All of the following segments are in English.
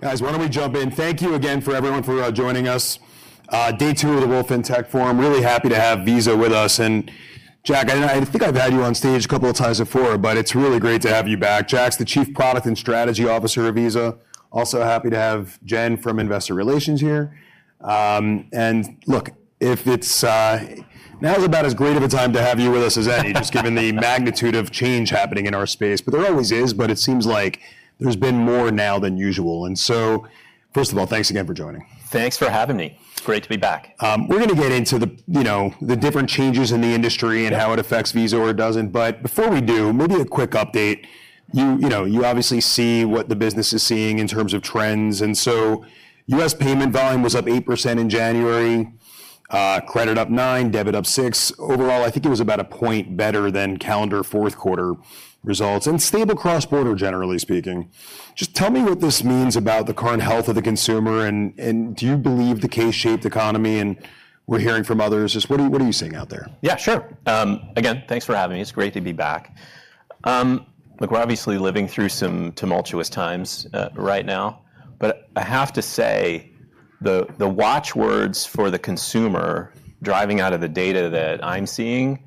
Guys, why don't we jump in? Thank you again, everyone, for joining us day two of the Wolfe FinTech Forum. Really happy to have Visa with us. Jack Forestell, I think I've had you on stage a couple of times before, but it's really great to have you back. Jack Forestell is the Chief Product and Strategy Officer of Visa. Also happy to have Jennifer Como from Investor Relations here. Look, now is about as great of a time to have you with us as any, just given the magnitude of change happening in our space. There always is, but it seems like there's been more now than usual. First of all, thanks again for joining. Thanks for having me. It's great to be back. We're gonna get into the, you know, the different changes in the industry and how it affects Visa or it doesn't. Before we do, maybe a quick update. You know, you obviously see what the business is seeing in terms of trends, and so U.S. payment volume was up 8% in January, credit up 9%, debit up 6%. Overall, I think it was about a point better than calendar fourth quarter results, and stable cross-border, generally speaking. Just tell me what this means about the current health of the consumer and do you believe the K-shaped economy, and we're hearing from others. Just what are you seeing out there? Yeah, sure. Again, thanks for having me. It's great to be back. Look, we're obviously living through some tumultuous times, right now. I have to say the watch words for the consumer driving out of the data that I'm seeing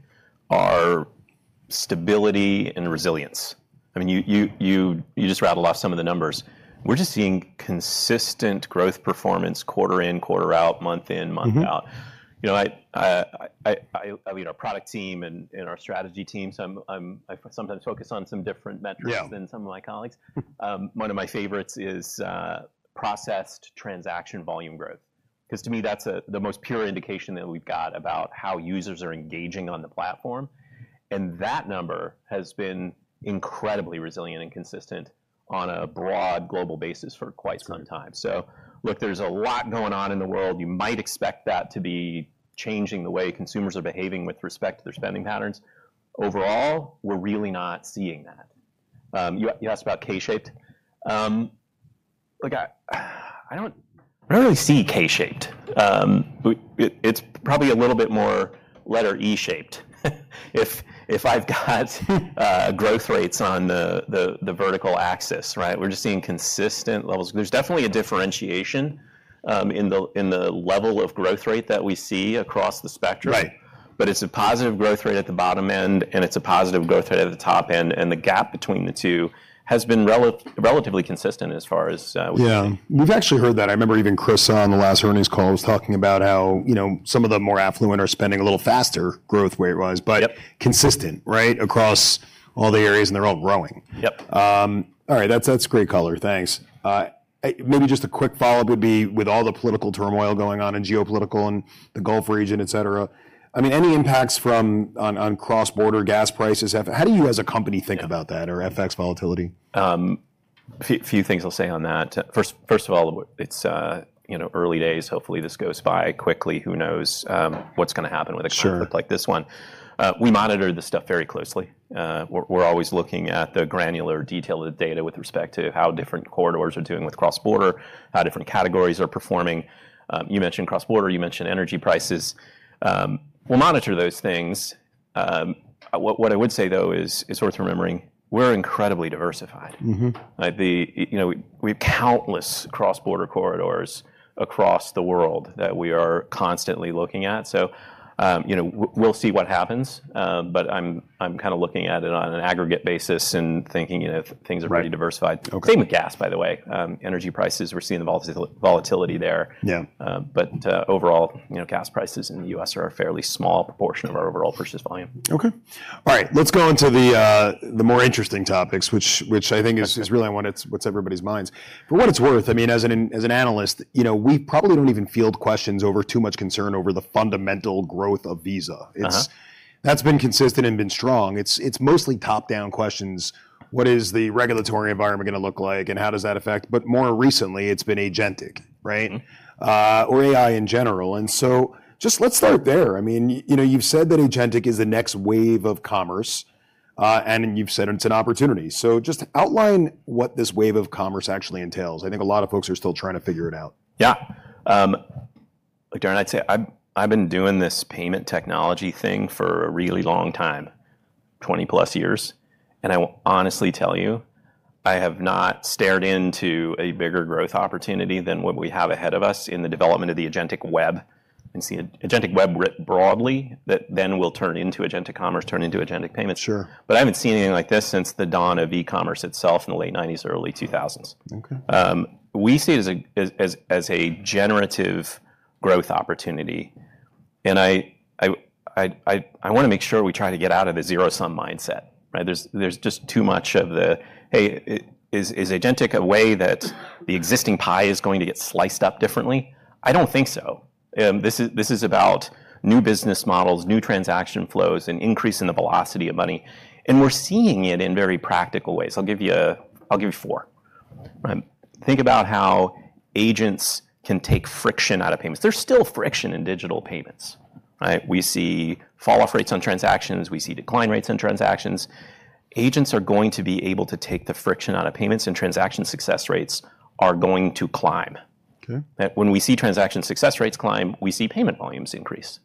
are stability and resilience. I mean, you just rattled off some of the numbers. We're just seeing consistent growth performance quarter in, quarter out, month in, month out. You know, I lead our product team and our strategy team, so I sometimes focus on some different metrics. Yeah... than some of my colleagues. One of my favorites is processed transaction volume growth, 'cause to me that's the most pure indication that we've got about how users are engaging on the platform, and that number has been incredibly resilient and consistent on a broad global basis for quite some time. Look, there's a lot going on in the world. You might expect that to be changing the way consumers are behaving with respect to their spending patterns. Overall, we're really not seeing that. You asked about K-shaped. Look, I don't really see K-shaped. It's probably a little bit more letter E shaped if I've got growth rates on the vertical axis, right? We're just seeing consistent levels. There's definitely a differentiation in the level of growth rate that we see across the spectrum. Right. It's a positive growth rate at the bottom end, and it's a positive growth rate at the top end, and the gap between the two has been relatively consistent as far as we can see. Yeah. We've actually heard that. I remember even Chris on the last earnings call was talking about how, you know, some of the more affluent are spending a little faster growth rate-wise- Yep consistent, right, across all the areas, and they're all growing. Yep. All right. That's great color. Thanks. Maybe just a quick follow-up would be, with all the political turmoil going on and geopolitical in the Gulf region, etc, I mean, any impacts on cross-border gas prices, how do you as a company think about that or FX volatility? Few things I'll say on that. First of all, it's, you know, early days. Hopefully, this goes by quickly. Who knows what's gonna happen with a conflict. Sure Like this one. We monitor this stuff very closely. We're always looking at the granular detail of the data with respect to how different corridors are doing with cross-border, how different categories are performing. You mentioned cross-border, you mentioned energy prices. We'll monitor those things. What I would say though is, it's worth remembering, we're incredibly diversified. Like, you know, we have countless cross-border corridors across the world that we are constantly looking at, so, you know, we'll see what happens. I'm kinda looking at it on an aggregate basis and thinking, you know, things are pretty diversified. Right. Okay. Same with gas, by the way. Energy prices, we're seeing the volatility there. Yeah. Overall, you know, gas prices in the U.S. are a fairly small proportion of our overall purchase volume. Okay. All right. Let's go into the more interesting topics, which I think is really on what's everybody's minds. For what it's worth, I mean, as an analyst, you know, we probably don't even field questions over too much concern over the fundamental growth of Visa. It's. That's been consistent and been strong. It's mostly top-down questions, what is the regulatory environment gonna look like, and how does that affect? More recently it's been agentic, right? AI in general, and so just let's start there. I mean, you know, you've said that agentic is the next wave of commerce, and you've said it's an opportunity. Just outline what this wave of commerce actually entails. I think a lot of folks are still trying to figure it out. Yeah. Look, Darrin, I'd say I've been doing this payment technology thing for a really long time, 20+ years, and I will honestly tell you, I have not stared into a bigger growth opportunity than what we have ahead of us in the development of the agentic web. See, agentic web writ broadly that then will turn into agentic commerce, turn into agentic payments. Sure. I haven't seen anything like this since the dawn of e-commerce itself in the late 1990s, early 2000s. Okay. We see it as a generative growth opportunity. I wanna make sure we try to get out of the zero-sum mindset, right? There's just too much of the, "Hey, is agentic a way that the existing pie is going to get sliced up differently?" I don't think so. This is about new business models, new transaction flows, an increase in the velocity of money, and we're seeing it in very practical ways. I'll give you four, right? Think about how agents can take friction out of payments. There's still friction in digital payments, right? We see falloff rates on transactions. We see decline rates on transactions. Agents are going to be able to take the friction out of payments, and transaction success rates are going to climb. Okay. When we see transaction success rates climb, we see payment volumes increase.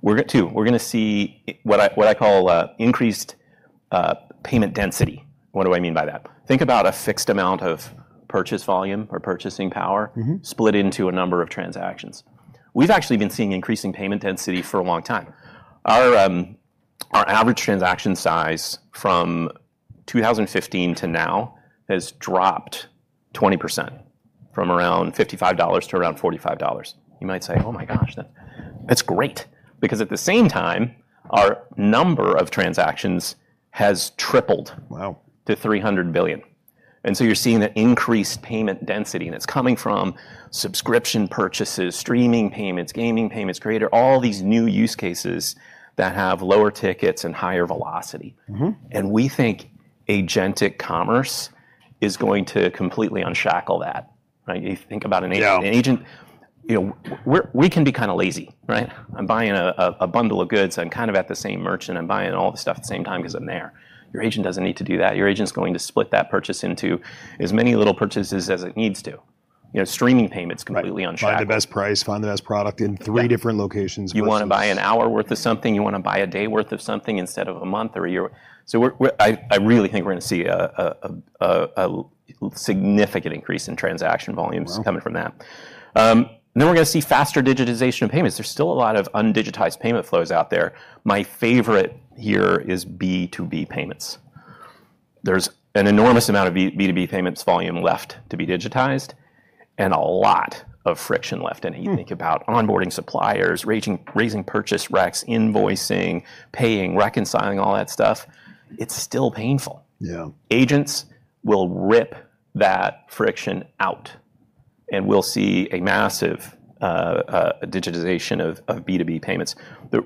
We're gonna see what I call increased payment density. What do I mean by that? Think about a fixed amount of purchase volume or purchasing power. split into a number of transactions. We've actually been seeing increasing payment density for a long time. Our average transaction size from 2015 to now has dropped 20% from around $55 to around $45. You might say, "Oh my gosh, that's great," because at the same time, our number of transactions has tripled. to $300 billion. You're seeing the increased payment density, and it's coming from subscription purchases, streaming payments, gaming payments, creator, all these new use cases that have lower tickets and higher velocity. We think agentic commerce is going to completely unshackle that, right? You think about an agent. Yeah. An agent, you know. We can be kinda lazy, right? I'm buying a bundle of goods. I'm kind of at the same merchant. I'm buying all the stuff at the same time 'cause I'm there. Your agent doesn't need to do that. Your agent's going to split that purchase into as many little purchases as it needs to. You know, streaming payments completely unshackle. Find the best price, find the best product in three different locations versus. You wanna buy an hour worth of something, you wanna buy a day worth of something instead of a month or a year. I really think we're gonna see a significant increase in transaction volumes. Coming from that. We're gonna see faster digitization of payments. There's still a lot of undigitized payment flows out there. My favorite here is B2B payments. There's an enormous amount of B2B payments volume left to be digitized and a lot of friction left in it. You think about onboarding suppliers, raising purchase reqs, invoicing, paying, reconciling, all that stuff. It's still painful. Yeah. Agents will rip that friction out, and we'll see a massive digitization of B2B payments.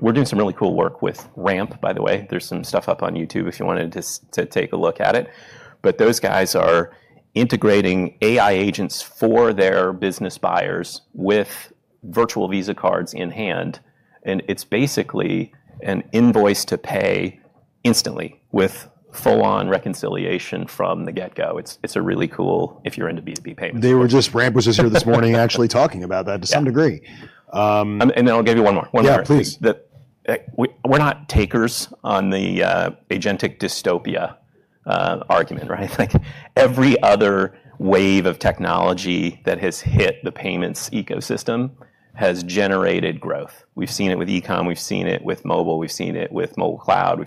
We're doing some really cool work with Ramp, by the way. There's some stuff up on YouTube if you wanted to take a look at it. Those guys are integrating AI agents for their business buyers with virtual Visa cards in hand, and it's basically an invoice to pay instantly with full-on reconciliation from the get-go. It's a really cool if you're into B2B payments. Ramp was just here this morning actually talking about that to some degree. I'll give you one more. Yeah, please. We're not takers on the agentic dystopia argument, right? Like every other wave of technology that has hit the payments ecosystem has generated growth. We've seen it with eCom, we've seen it with mobile, we've seen it with mobile cloud.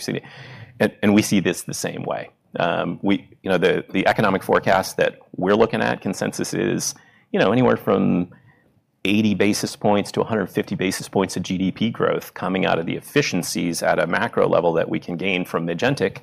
We see this the same way. You know, the economic forecast that we're looking at consensus is, you know, anywhere from 80 basis points to 150 basis points of GDP growth coming out of the efficiencies at a macro level that we can gain from agentic.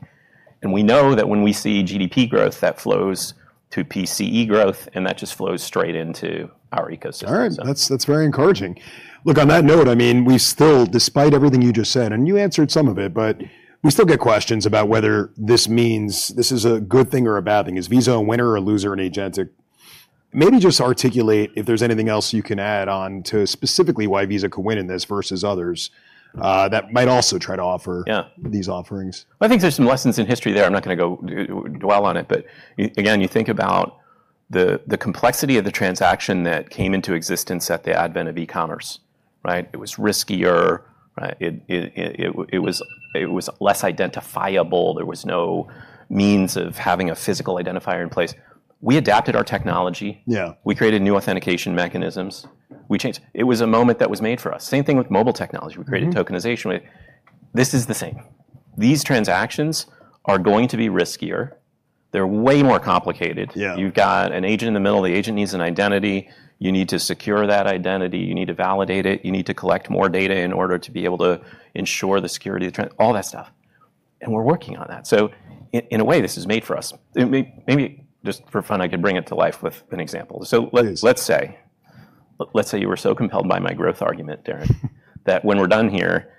We know that when we see GDP growth, that flows to PCE growth, and that just flows straight into our ecosystem. All right. That's very encouraging. Look, on that note, I mean, we still, despite everything you just said, and you answered some of it, but we still get questions about whether this means this is a good thing or a bad thing. Is Visa a winner or loser in agentic? Maybe just articulate if there's anything else you can add on to specifically why Visa could win in this versus others, that might also try to offer- Yeah. These offerings. I think there's some lessons in history there. I'm not gonna go dwell on it. Again, you think about the complexity of the transaction that came into existence at the advent of e-commerce, right? It was riskier, right? It was less identifiable. There was no means of having a physical identifier in place. We adapted our technology. Yeah. We created new authentication mechanisms. We changed. It was a moment that was made for us. Same thing with mobile technology. We created tokenization. This is the same. These transactions are going to be riskier. They're way more complicated. Yeah. You've got an agent in the middle. The agent needs an identity. You need to secure that identity. You need to validate it. You need to collect more data in order to be able to ensure the security of the transaction. All that stuff, and we're working on that. In a way, this is made for us. Maybe just for fun, I could bring it to life with an example. Let's say you were so compelled by my growth argument, Darrin, that when we're done here,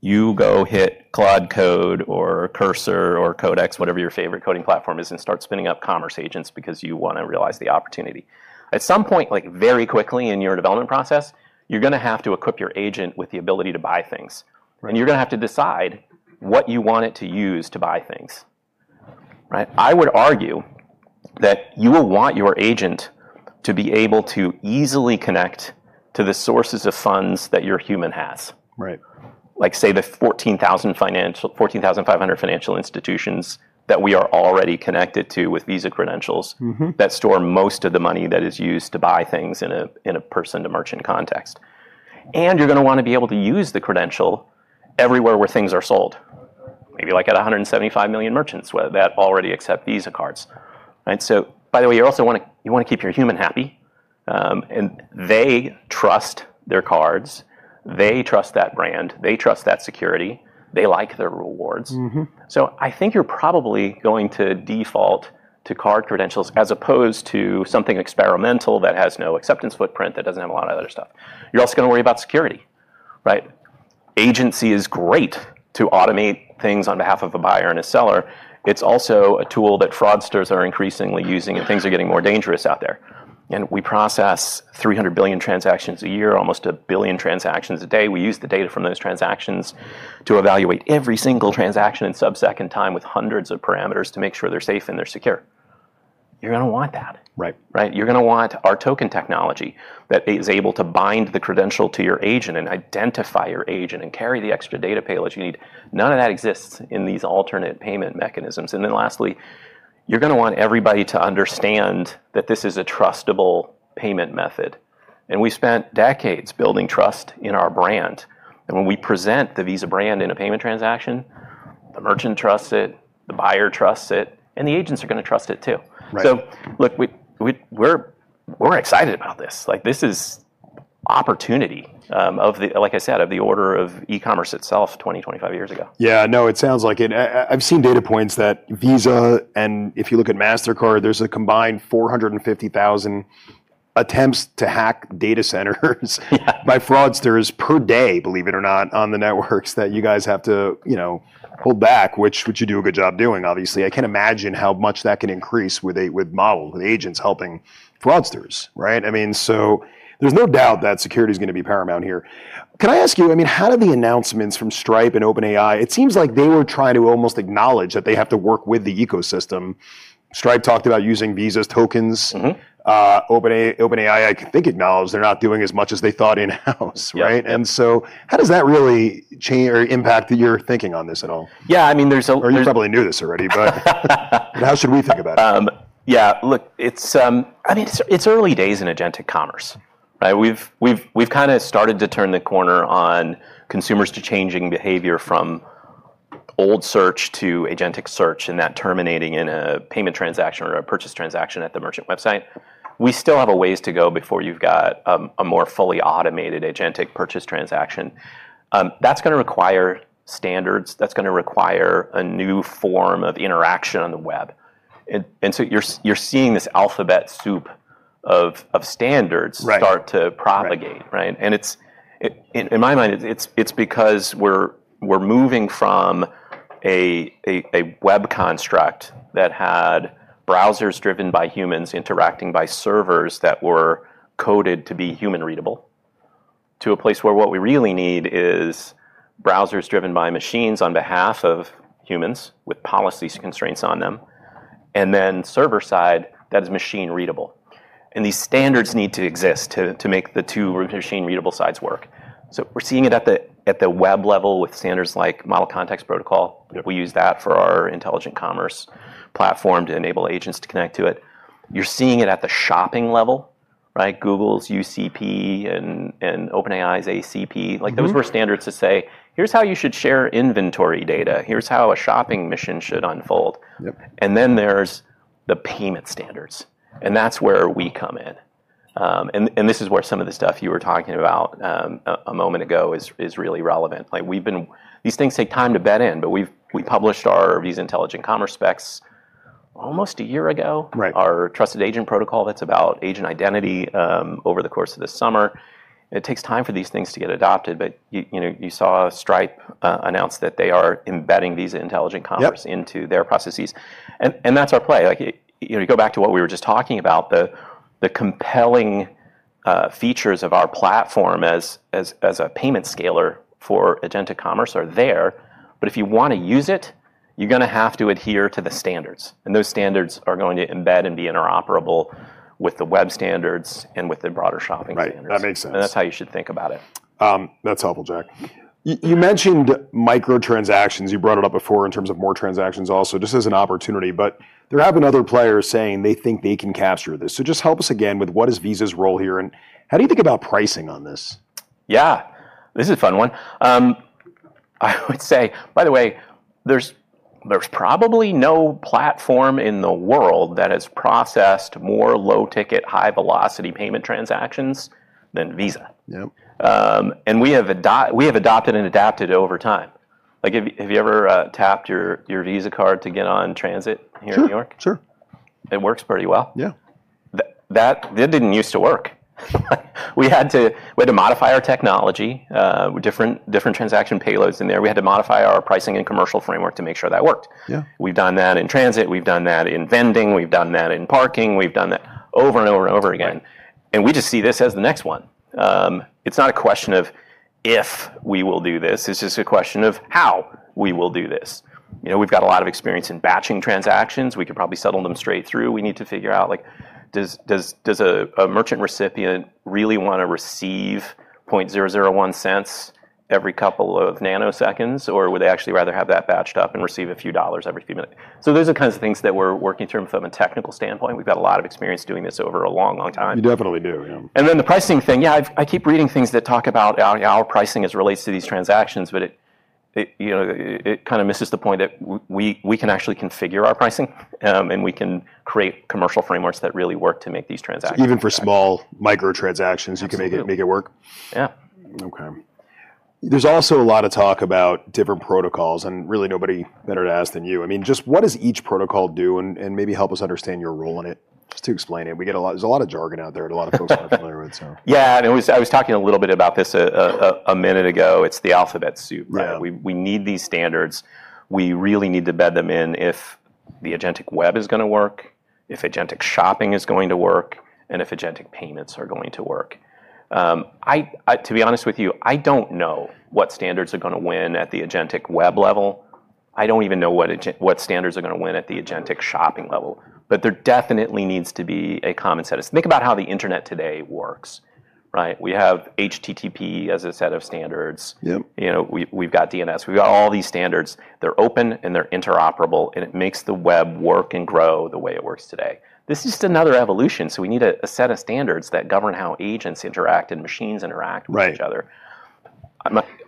you go hit Claude Code or Cursor or Codex, whatever your favorite coding platform is, and start spinning up commerce agents because you wanna realize the opportunity. At some point, like very quickly in your development process, you're gonna have to equip your agent with the ability to buy things. Right. You're gonna have to decide what you want it to use to buy things, right? I would argue that you will want your agent to be able to easily connect to the sources of funds that your human has. Right. Like, say, the 14,500 financial institutions that we are already connected to with Visa credentials. That store most of the money that is used to buy things in a person-to-merchant context. You're gonna wanna be able to use the credential everywhere where things are sold, maybe like at 175 million merchants that already accept Visa cards, right? By the way, you also wanna keep your human happy, and they trust their cards. They trust that brand. They trust that security. They like their rewards. I think you're probably going to default to card credentials as opposed to something experimental that has no acceptance footprint, that doesn't have a lot of other stuff. You're also gonna worry about security, right? Agency is great to automate things on behalf of a buyer and a seller. It's also a tool that fraudsters are increasingly using, and things are getting more dangerous out there. We process 300 billion transactions a year, almost 1 billion transactions a day. We use the data from those transactions to evaluate every single transaction in sub-second time with hundreds of parameters to make sure they're safe and they're secure. You're gonna want that. Right. Right? You're gonna want our token technology that is able to bind the credential to your agent and identify your agent and carry the extra data payload you need. None of that exists in these alternate payment mechanisms. Then lastly, you're gonna want everybody to understand that this is a trustable payment method. We spent decades building trust in our brand, and when we present the Visa brand in a payment transaction, the merchant trusts it, the buyer trusts it, and the agents are gonna trust it too. Right. Look, we're excited about this. Like, this is opportunity, like I said, of the order of e-commerce itself 25 years ago. Yeah, no, it sounds like it. I've seen data points that Visa, and if you look at Mastercard, there's a combined 450,000 attempts to hack data centers. Yeah. By fraudsters per day, believe it or not, on the networks that you guys have to, you know, hold back, which you do a good job doing, obviously. I can't imagine how much that can increase with models, with agents helping fraudsters, right? I mean, security is gonna be paramount here. Can I ask you, I mean, how do the announcements from Stripe and OpenAI? It seems like they were trying to almost acknowledge that they have to work with the ecosystem. Stripe talked about using Visa's tokens. OpenAI, I think, acknowledged they're not doing as much as they thought in-house, right? Yeah. How does that really change or impact your thinking on this at all? Yeah, I mean, there's. You probably knew this already. How should we think about it? Yeah. Look, it's, I mean, it's early days in agentic commerce, right? We've kind of started to turn the corner on consumers to changing behavior from old search to agentic search, and that terminating in a payment transaction or a purchase transaction at the merchant website. We still have a ways to go before you've got a more fully automated agentic purchase transaction. That's gonna require standards. That's gonna require a new form of interaction on the web. You're seeing this alphabet soup of standards. Right start to propagate, right? In my mind, it's because we're moving from a web construct that had browsers driven by humans interacting with servers that were coded to be human readable, to a place where what we really need is browsers driven by machines on behalf of humans with policy constraints on them. Server side, that is machine readable. These standards need to exist to make the two machine readable sides work. We're seeing it at the web level with standards like Model Context Protocol. We use that for our Visa Intelligent Commerce to enable agents to connect to it. You're seeing it at the shopping level, right? Google's UCP and OpenAI's ACP. Like, those were standards to say, "Here's how you should share inventory data. Here's how a shopping mission should unfold. There's the payment standards, and that's where we come in. This is where some of the stuff you were talking about a moment ago is really relevant. Like, these things take time to bed in, but we published our Visa Intelligent Commerce specs almost a year ago. Right. Our Trusted Agent Protocol that's about agent identity over the course of this summer. It takes time for these things to get adopted. You, you know, you saw Stripe announce that they are embedding Visa Intelligent Commerce- Yep into their processes, and that's our play. Like, you know, you go back to what we were just talking about, the compelling features of our platform as a payment scaler for agentic commerce are there. If you want to use it, you're gonna have to adhere to the standards, and those standards are going to embed and be interoperable with the web standards and with the broader shopping standards. Right. That makes sense. That's how you should think about it. That's helpful, Jack. You mentioned micro-transactions. You brought it up before in terms of more transactions also. This is an opportunity, but there have been other players saying they think they can capture this. Just help us again with what is Visa's role here, and how do you think about pricing on this? Yeah. This is a fun one. I would say, by the way, there's probably no platform in the world that has processed more low-ticket, high-velocity payment transactions than Visa. Yep. We have adopted and adapted over time. Like, have you ever tapped your Visa card to get on transit here in New York? Sure, sure. It works pretty well. Yeah. That didn't use to work. We had to modify our technology with different transaction payloads in there. We had to modify our pricing and commercial framework to make sure that worked. Yeah. We've done that in transit. We've done that in vending. We've done that in parking. We've done that over and over and over again, and we just see this as the next one. It's not a question of if we will do this. It's just a question of how we will do this. You know, we've got a lot of experience in batching transactions. We could probably settle them straight through. We need to figure out, like, does a merchant recipient really wanna receive $0.00001 every couple of nanoseconds, or would they actually rather have that batched up and receive a few dollars every few minutes? So those are the kinds of things that we're working through from a technical standpoint. We've had a lot of experience doing this over a long, long time. You definitely do. Yeah. The pricing thing, yeah, I keep reading things that talk about our pricing as it relates to these transactions, but it, you know, it kind of misses the point that we can actually configure our pricing, and we can create commercial frameworks that really work to make these transactions. Even for small micro-transactions. You can make it work? Yeah. Okay. There's also a lot of talk about different protocols, and really nobody better to ask than you. I mean, just what does each protocol do, and maybe help us understand your role in it. Just to explain it, there's a lot of jargon out there that a lot of folks aren't familiar with, so. Yeah. No, I was talking a little bit about this a minute ago. It's the alphabet soup. Right. We need these standards. We really need to bed them in if the agentic web is gonna work, if agentic shopping is going to work. If agentic payments are going to work. To be honest with you, I don't know what standards are gonna win at the agentic web level. I don't even know what standards are gonna win at the agentic shopping level. There definitely needs to be a common set of standards. Think about how the internet today works, right? We have HTTP as a set of standards. Yep. You know, we've got DNS. We've got all these standards. They're open, and they're interoperable, and it makes the web work and grow the way it works today. This is just another evolution, so we need a set of standards that govern how agents interact and machines interact. Right ...with each other.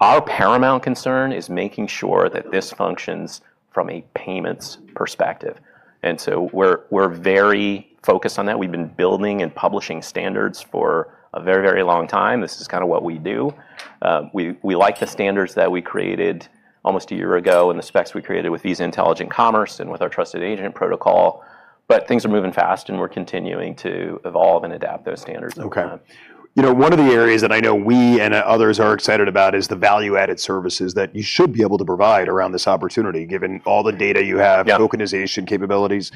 Our paramount concern is making sure that this functions from a payments perspective. We're very focused on that. We've been building and publishing standards for a very, very long time. This is kind of what we do. We like the standards that we created almost a year ago and the specs we created with these Intelligent Commerce and with our Trusted Agent Protocol. Things are moving fast, and we're continuing to evolve and adapt those standards over time. Okay. You know, one of the areas that I know we and others are excited about is the value-added services that you should be able to provide around this opportunity, given all the data you have. Yep... tokenization capabilities.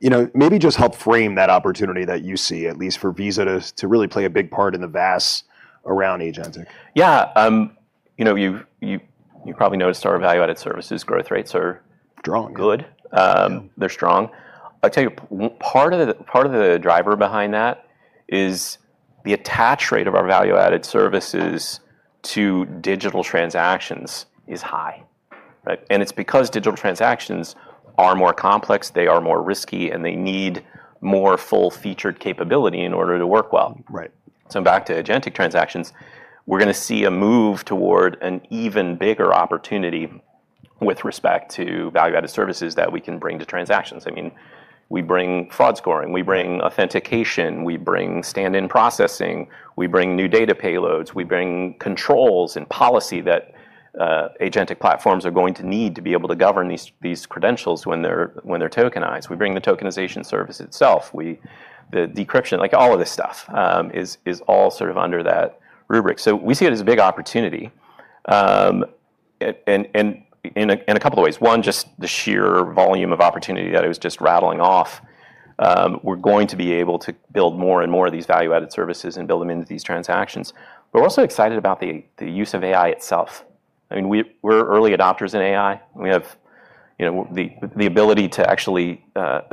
You know, maybe just help frame that opportunity that you see, at least for Visa to really play a big part in the VAS around agentic. Yeah. You know, you've probably noticed our value-added services growth rates are. Strong Good. Yeah They're strong. I'll tell you, part of the driver behind that is the attach rate of our value-added services to digital transactions is high, right? It's because digital transactions are more complex, they are more risky, and they need more full-featured capability in order to work well. Right. Back to agentic transactions, we're gonna see a move toward an even bigger opportunity with respect to value-added services that we can bring to transactions. I mean, we bring fraud scoring, we bring authentication, we bring stand-in processing, we bring new data payloads, we bring controls and policy that agentic platforms are going to need to be able to govern these credentials when they're tokenized. We bring the tokenization service itself. We bring the decryption, like all of this stuff is all sort of under that rubric. We see it as a big opportunity and in a couple of ways. One, just the sheer volume of opportunity that I was just rattling off. We're going to be able to build more and more of these value-added services and build them into these transactions. We're also excited about the use of AI itself. I mean, we're early adopters in AI, and we have, you know, the ability to actually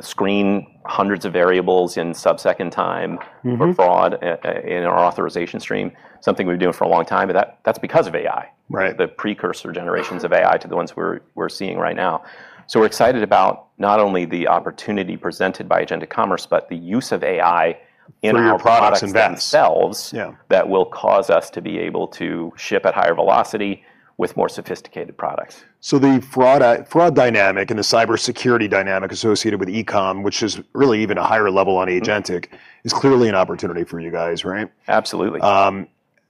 screen hundreds of variables in sub-second time. for fraud in our authorization stream, something we've been doing for a long time, but that's because of AI. Right. The precursor generations of AI to the ones we're seeing right now. We're excited about not only the opportunity presented by agentic commerce, but the use of AI in our products. Through your products and VAS ...themselves- Yeah that will cause us to be able to ship at higher velocity with more sophisticated products. The fraud defense dynamic and the cybersecurity dynamic associated with e-com, which is really even a higher level on agentic, is clearly an opportunity for you guys, right? Absolutely.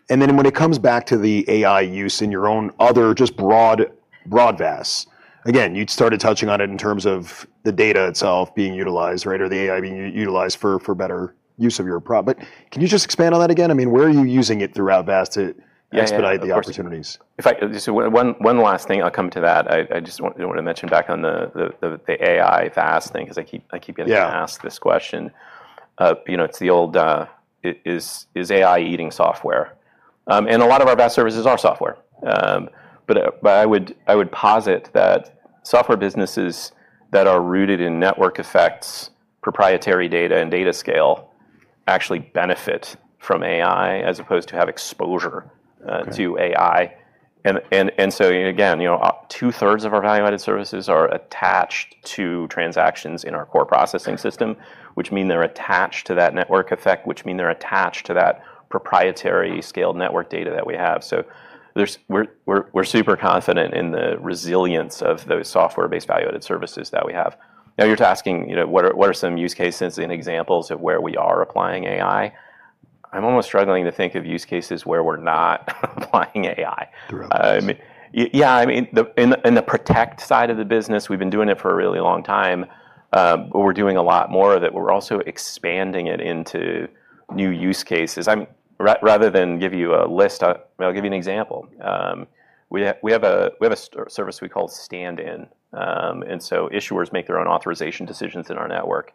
When it comes back to the AI use in your own other just broad VAS, again, you'd started touching on it in terms of the data itself being utilized, right? Or the AI being utilized for better use of your. Can you just expand on that again? I mean, where are you using it throughout VAS to expedite the opportunities? In fact, just one last thing, I'll come to that. I just want to mention back on the AI VAS thing because I keep getting- Yeah Asked this question. You know, it's the old is AI eating software? A lot of our VAS services are software. I would posit that software businesses that are rooted in network effects, proprietary data, and data scale actually benefit from AI as opposed to have exposure to AI. Again, you know, two-thirds of our value-added services are attached to transactions in our core processing system, which mean they're attached to that network effect, which mean they're attached to that proprietary scaled network data that we have. We're super confident in the resilience of those software-based value-added services that we have. Now, you're asking, you know, what are some use cases and examples of where we are applying AI. I'm almost struggling to think of use cases where we're not applying AI. Throughout. Yeah. I mean, in the protect side of the business, we've been doing it for a really long time. We're doing a lot more of it. We're also expanding it into new use cases. Rather than give you a list, I'll give you an example. We have a service we call stand-in. Issuers make their own authorization decisions in our network.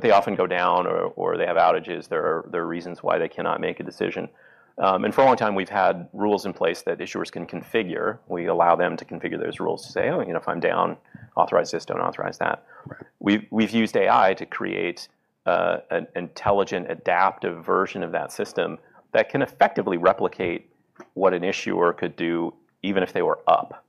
They often go down, or they have outages. There are reasons why they cannot make a decision. For a long time we've had rules in place that issuers can configure. We allow them to configure those rules to say, "Oh, you know, if I'm down, authorize this, don't authorize that. Right. We've used AI to create an intelligent, adaptive version of that system that can effectively replicate what an issuer could do even if they were up.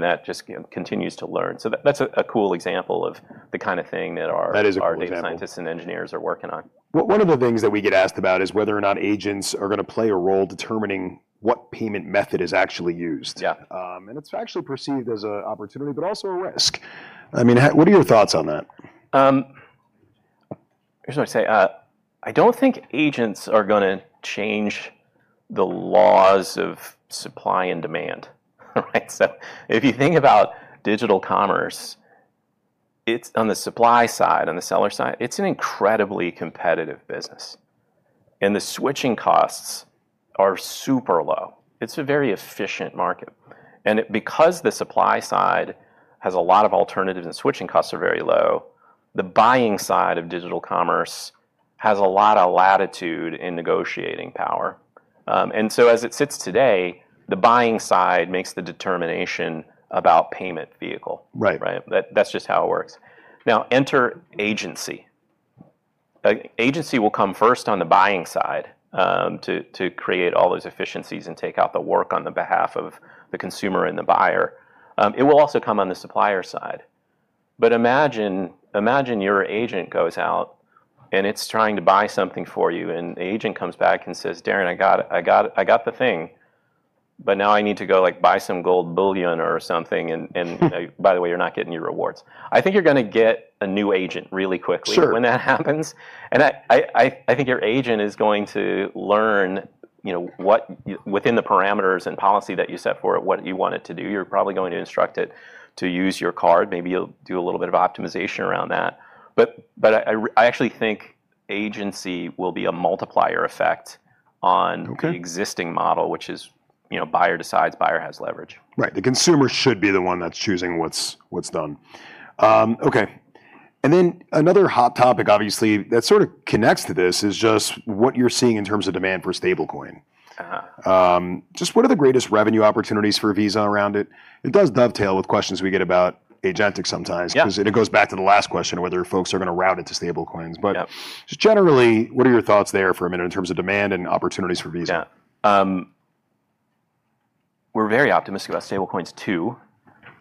That just, you know, continues to learn. That's a cool example of the kind of thing that our- That is a cool example. Our data scientists and engineers are working on. One of the things that we get asked about is whether or not agents are gonna play a role determining what payment method is actually used. Yeah. It's actually perceived as an opportunity, but also a risk. I mean, how, what are your thoughts on that? Here's what I'd say. I don't think agents are gonna change the laws of supply and demand, right? If you think about digital commerce, it's on the supply side, on the seller side, it's an incredibly competitive business. The switching costs are super low. It's a very efficient market. Because the supply side has a lot of alternatives and switching costs are very low, the buying side of digital commerce has a lot of latitude in negotiating power. As it sits today, the buying side makes the determination about payment vehicle. Right. Right? That's just how it works. Now, enter agentic. Agentic will come first on the buying side, to create all those efficiencies and take out the work on behalf of the consumer and the buyer. It will also come on the supplier side. Imagine your agent goes out, and it's trying to buy something for you, and the agent comes back and says, "Darrin, I got the thing, but now I need to go, like, buy some gold bullion or something." "And, by the way, you're not getting your rewards." I think you're gonna get a new agent really quickly. Sure When that happens. I think your agent is going to learn, you know, what within the parameters and policy that you set for it, what you want it to do. You're probably going to instruct it to use your card. Maybe you'll do a little bit of optimization around that. I actually think agency will be a multiplier effect on Okay the existing model, which is, you know, buyer decides, buyer has leverage. Right. The consumer should be the one that's choosing what's done. Okay. Another hot topic, obviously, that sort of connects to this is just what you're seeing in terms of demand for stablecoin. Just what are the greatest revenue opportunities for Visa around it? It does dovetail with questions we get about agentic sometimes. Yeah. 'Cause it goes back to the last question, whether folks are gonna route into stablecoins. Yeah. Just generally, what are your thoughts there for a minute in terms of demand and opportunities for Visa? Yeah. We're very optimistic about stablecoins too,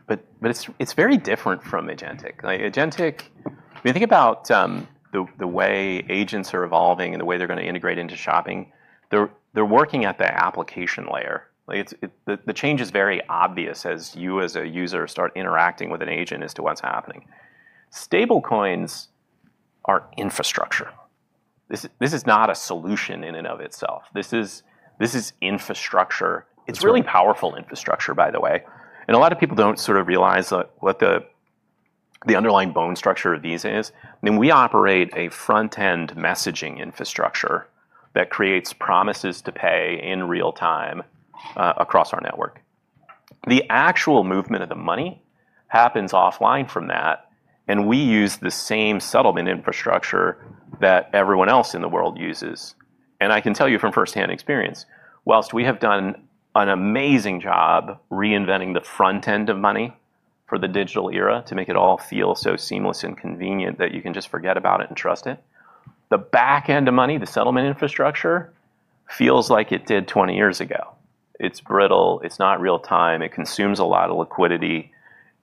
but it's very different from agentic. Like, agentic. If you think about the way agents are evolving and the way they're gonna integrate into shopping, they're working at the application layer. Like, the change is very obvious as you, as a user, start interacting with an agent as to what's happening. Stablecoins are infrastructure. This is not a solution in and of itself. This is infrastructure. Sure. It's really powerful infrastructure, by the way. A lot of people don't sort of realize, like, what the underlying bone structure of these is. I mean, we operate a front-end messaging infrastructure that creates promises to pay in real time across our network. The actual movement of the money happens offline from that, and we use the same settlement infrastructure that everyone else in the world uses. I can tell you from firsthand experience, while we have done an amazing job reinventing the front end of money for the digital era to make it all feel so seamless and convenient that you can just forget about it and trust it, the back end of money, the settlement infrastructure, feels like it did 20 years ago. It's brittle, it's not real time, it consumes a lot of liquidity,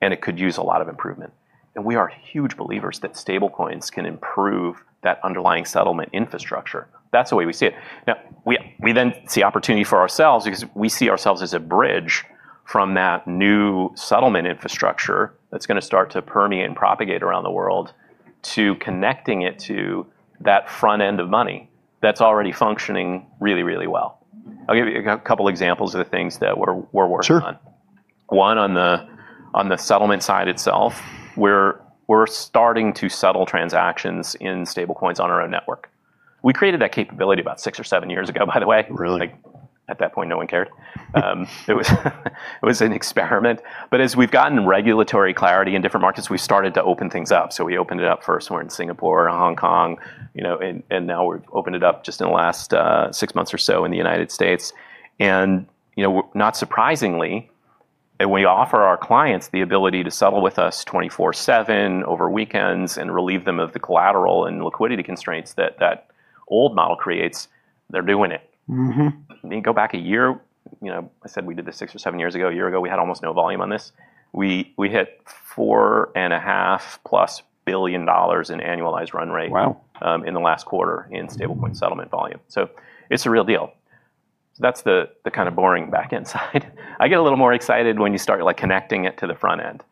and it could use a lot of improvement. We are huge believers that stablecoins can improve that underlying settlement infrastructure. That's the way we see it. Now, we then see opportunity for ourselves because we see ourselves as a bridge from that new settlement infrastructure that's gonna start to permeate and propagate around the world to connecting it to that front end of money that's already functioning really, really well. I'll give you a couple examples of the things that we're working on. Sure. One, on the settlement side itself, we're starting to settle transactions in stablecoins on our own network. We created that capability about six or seven years ago, by the way. Really? Like at that point, no one cared. It was an experiment. As we've gotten regulatory clarity in different markets, we started to open things up. We opened it up first somewhere in Singapore, Hong Kong, you know, and now we've opened it up just in the last six months or so in the United States. You know, not surprisingly, we offer our clients the ability to settle with us 24/7, over weekends, and relieve them of the collateral and liquidity constraints that old model creates. They're doing it. I mean, go back a year, you know, I said we did this six or seven years ago. A year ago, we had almost no volume on this. We hit $4.5+ billion in annualized run rate- in the last quarter in stablecoin settlement volume. It's the real deal. That's the kind of boring back-end side. I get a little more excited when you start, like, connecting it to the front end.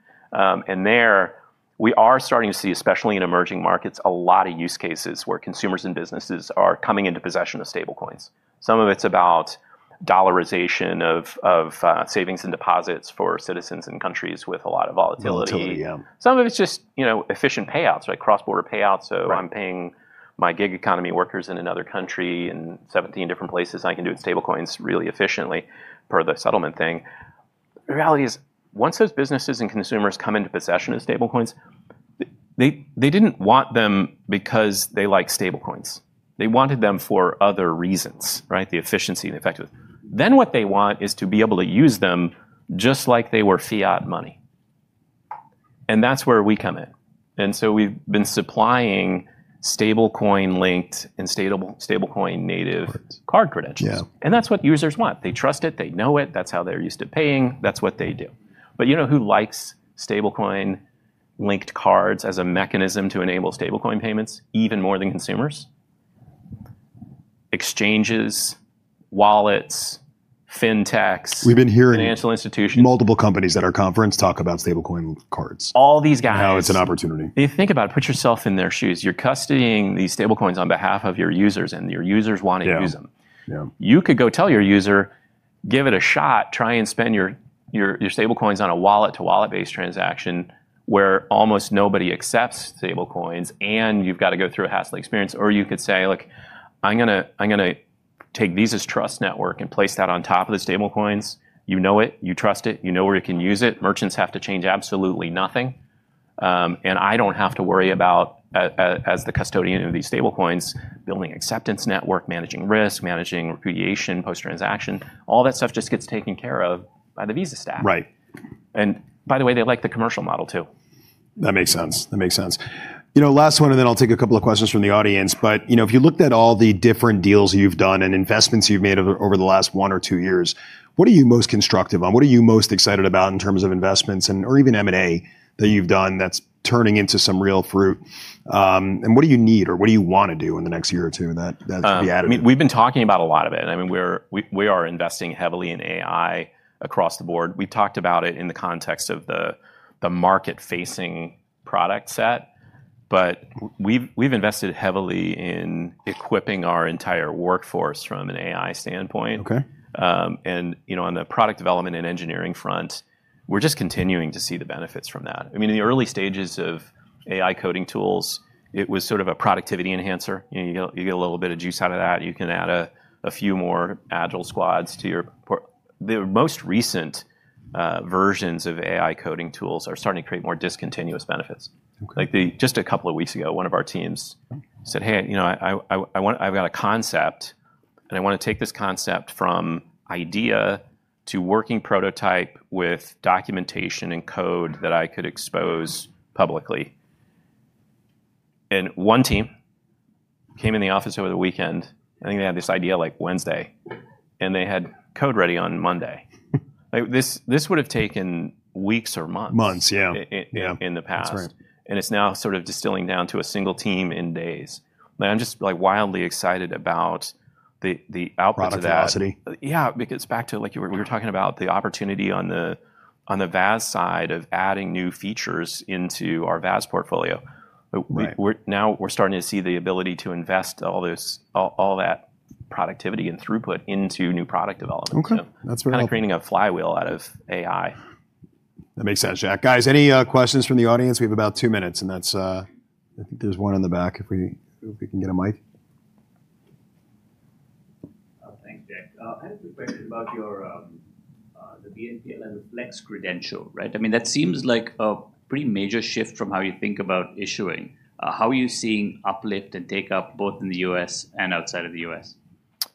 There we are starting to see, especially in emerging markets, a lot of use cases where consumers and businesses are coming into possession of stablecoins. Some of it's about dollarization of savings and deposits for citizens in countries with a lot of volatility. Volatility, yeah. Some of it's just, you know, efficient payouts, like cross-border payouts. Right. I'm paying my gig economy workers in another country in 17 different places, and I can do it in stablecoins really efficiently per the settlement thing. The reality is, once those businesses and consumers come into possession of stablecoins, they didn't want them because they like stablecoins. They wanted them for other reasons, right? The efficiency and effective. What they want is to be able to use them just like they were fiat money, and that's where we come in. We've been supplying stablecoin linked and stablecoin native card credentials. Yeah. That's what users want. They trust it. They know it. That's how they're used to paying. That's what they do. You know who likes stablecoin linked cards as a mechanism to enable stablecoin payments even more than consumers? Exchanges, wallets, fintechs- We've been hearing. financial institutions Multiple companies at our conference talk about stablecoin cards. All these guys. How it's an opportunity. If you think about it, put yourself in their shoes. You're custodying these stablecoins on behalf of your users, and your users want to use them. Yeah. Yeah. You could go tell your user, "Give it a shot, try and spend your stablecoins on a wallet-to-wallet-based transaction where almost nobody accepts stablecoins, and you've got to go through a hassle experience." Or you could say, "Look, I'm gonna take Visa's trust network and place that on top of the stablecoins." You know it, you trust it, you know where you can use it. Merchants have to change absolutely nothing. I don't have to worry about, as the custodian of these stablecoins, building acceptance network, managing risk, managing repudiation, post-transaction. All that stuff just gets taken care of by the Visa staff. Right. By the way, they like the commercial model too. That makes sense. You know, last one, and then I'll take a couple of questions from the audience. You know, if you looked at all the different deals you've done and investments you've made over the last one or two years, what are you most constructive on? What are you most excited about in terms of investments and/or even M&A that you've done that's turning into some real fruit? What do you need or what do you wanna do in the next year or two that that's the added- We've been talking about a lot of it. I mean, we are investing heavily in AI across the board. We talked about it in the context of the market-facing product set, but we've invested heavily in equipping our entire workforce from an AI standpoint. Okay. You know, on the product development and engineering front, we're just continuing to see the benefits from that. I mean, in the early stages of AI coding tools, it was sort of a productivity enhancer. You know, you get a little bit of juice out of that. You can add a few more agile squads. The most recent versions of AI coding tools are starting to create more discontinuous benefits. Okay. Just a couple of weeks ago, one of our teams said, "Hey, you know, I want-- I've got a concept, and I wanna take this concept from idea to working prototype with documentation and code that I could expose publicly." One team came in the office over the weekend. I think they had this idea, like, Wednesday, and they had code ready on Monday. Like, this would have taken weeks or months. Months, yeah. In the past. That's right. It's now sort of distilling down to a single team in days. Man, I'm just, like, wildly excited about the output to that. Product velocity. Yeah, because back to, like you were talking about the opportunity on the VAS side of adding new features into our VAS portfolio. Right. We're now starting to see the ability to invest all this, all that productivity and throughput into new product development. Okay. That's right. Kind of creating a flywheel out of AI. That makes sense, Jack. Guys, any questions from the audience? We have about two minutes, and that's. I think there's one in the back if we can get a mic. Thanks, Jack. I have a question about your the BNPL and the Flexible Credential, right? I mean, that seems like a pretty major shift from how you think about issuing. How are you seeing uplift and take-up both in the U.S. and outside of the U.S.?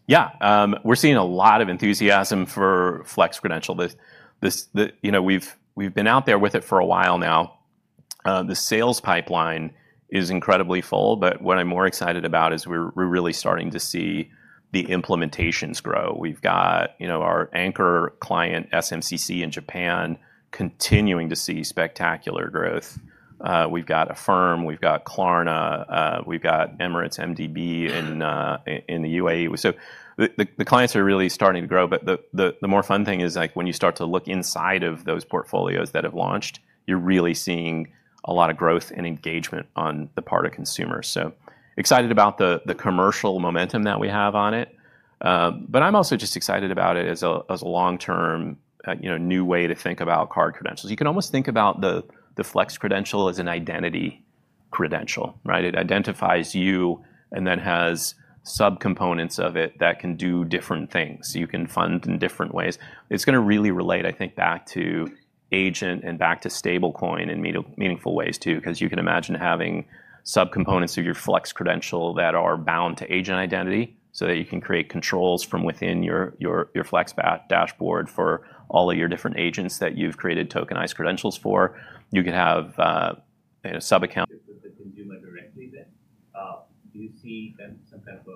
Yeah. We're seeing a lot of enthusiasm for Flex Credential. You know, we've been out there with it for a while now. The sales pipeline is incredibly full, but what I'm more excited about is we're really starting to see the implementations grow. We've got, you know, our anchor client, SMCC in Japan, continuing to see spectacular growth. We've got Affirm, we've got Klarna, we've got Emirates NBD in the UAE. The clients are really starting to grow, but the more fun thing is, like, when you start to look inside of those portfolios that have launched, you're really seeing a lot of growth and engagement on the part of consumers. Excited about the commercial momentum that we have on it. I'm also just excited about it as a long-term, you know, new way to think about card credentials. You can almost think about the Flex Credential as an identity credential, right? It identifies you and then has subcomponents of it that can do different things. You can fund in different ways. It's gonna really relate, I think, back to agentic and back to stablecoin in meaningful ways too, 'cause you can imagine having subcomponents of your Flex Credential that are bound to agentic identity so that you can create controls from within your Flex dashboard for all of your different agents that you've created tokenized credentials for. You can have a subaccount. With the consumer directly then, do you see them sometimes push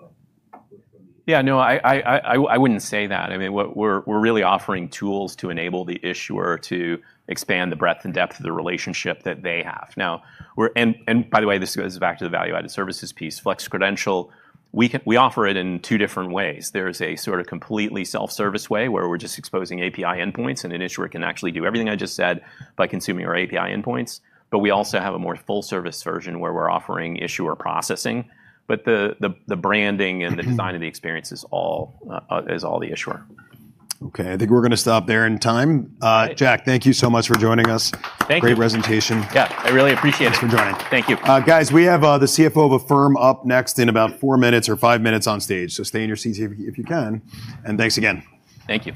from the- Yeah, no, I wouldn't say that. I mean, what we're really offering tools to enable the issuer to expand the breadth and depth of the relationship that they have. By the way, this goes back to the value-added services piece. Flexible Credential, we offer it in two different ways. There is a sort of completely self-service way where we're just exposing API endpoints, and an issuer can actually do everything I just said by consuming our API endpoints. But we also have a more full-service version where we're offering issuer processing, but the branding and the design of the experience is all the issuer. Okay. I think we're gonna stop there in time. Jack, thank you so much for joining us. Thank you. Great presentation. Yeah. I really appreciate it. Thanks for joining. Thank you. Guys, we have the CFO of Affirm up next in about four minutes or five minutes on stage. Stay in your seats if you can, and thanks again. Thank you.